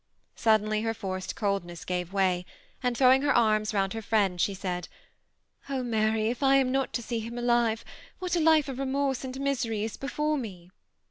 Suddenly, her forced coldness gave way, and throwing her arms round her friend, she said, " Oh, Mary, if I am not to see him alive, what a life of remorse and misery is before me